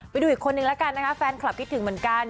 ไปดูอีกคนนึงแล้วกันนะคะแฟนคลับคิดถึงเหมือนกัน